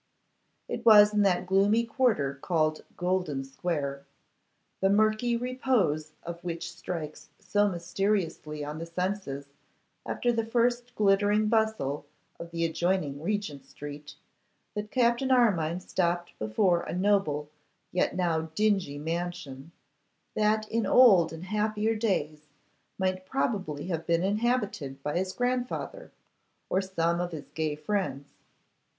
It was in that gloomy quarter called Golden square, the murky repose of which strikes so mysteriously on the senses after the glittering bustle of the adjoining Regent street, that Captain Armine stopped before a noble yet now dingy mansion, that in old and happier days might probably have been inhabited by his grandfather, or some of his gay friends.